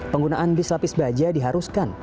penggunaan bis lapis baja diharuskan